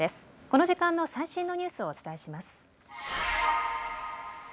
この時間の最新のニュースをお伝えします。